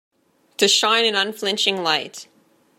To shine an unflinching light.